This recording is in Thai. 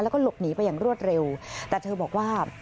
แล้วก็หลบหนีไปอย่างรวดเร็วแต่เธอบอกว่า